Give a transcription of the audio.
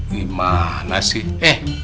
gimana sih eh